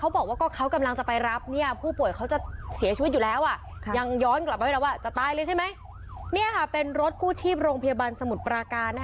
ซ่อบคู่ชีพโรงพยาบาลสมุทรปราการ